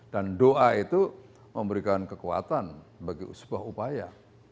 dan doa itu memberikan kekuatan bagi sebuah upaya